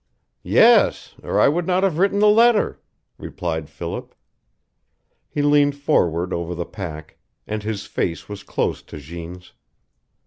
"Yes, or I would not have written the letter," replied Philip. He leaned forward over the pack, and his face was close to Jeanne's.